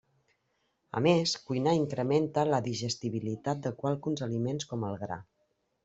A més, cuinar incrementa la digestibilitat de qualcuns aliments com el gra.